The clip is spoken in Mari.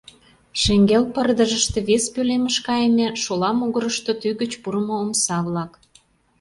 Шеҥгел пырдыжыште вес пӧлемыш кайыме, шола могырышто тӱгыч пурымо омса-влак.